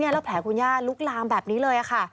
แล้วแผลคุณย่าลุกลามแบบนี้เลยค่ะ